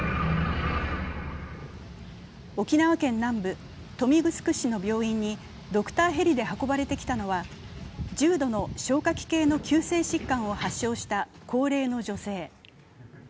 沖縄県南部・豊見城市の病院にドクターヘリで運ばれてきたのは重度の消化器系の急性疾患を発症した高齢の女性。